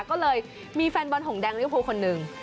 ก็เลยมีแฟนบอลหงแดงริวภูคนหนึ่ง